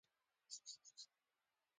له یو ځای نه له بل هېواد سره خبرې کوي.